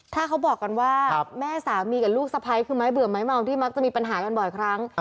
ถ้าเขาบอกกันว่าแม่สามีกับลูกสะพ้ายคือไม้เบื่อไม้เมาที่มักจะมีปัญหากันบ่อยครั้ง